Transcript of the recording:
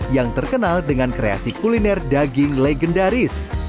yang terkenal dengan kreasi kuliner daging legendaris